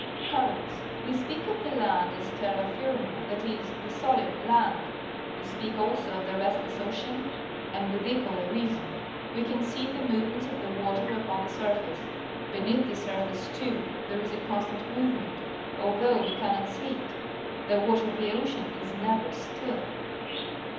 Currents. — We speak of the land as terra firma, that is, the solid land. We speak also of the restless ocean, and wuth equal reason. We can see the movements of the water upon the surface. Beneath the surface, too, there is a constant move ment, although we cannot see it. The water of the ocean is never still.